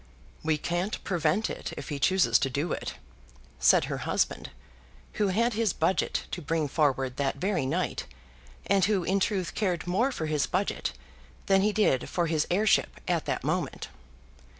"We can't prevent it if he chooses to do it," said her husband, who had his budget to bring forward that very night, and who in truth cared more for his budget than he did for his heirship at that moment.